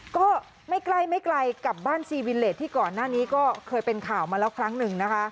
ก็ไม่ใกล้ไม่ไกลกับบ้านซีวิเลสที่ก่อนหน้านี้ก็เคยเป็นข่าวมาแล้วครั้งหนึ่งนะคะ